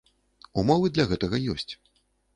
Умовы для гэтага ёсць.